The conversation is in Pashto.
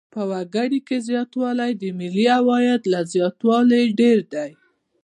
په وګړو کې زیاتوالی د ملي عاید له زیاتوالي ډېر دی.